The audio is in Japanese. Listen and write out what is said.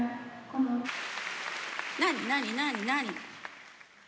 何何何何？